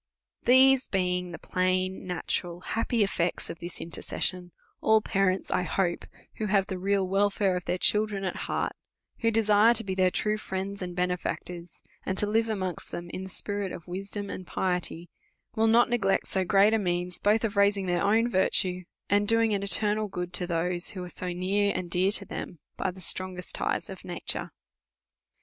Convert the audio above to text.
Tiiese being the plain, natural, happy effects of this intercession, all parents, I hope, who have the real welfare of tlieir children at heart, who desire to be their true friends and benefactors, and to live amongst them in the spirit of wisdom and piety, will not neg lect so great a means, both of raising their own virtue^ and doing an eternal good to those who are so near and dear to them by the strongest ties of nature.